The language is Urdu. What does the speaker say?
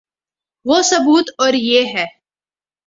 وہ ثبوت اور یہ ہے۔